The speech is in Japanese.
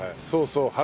そうそう。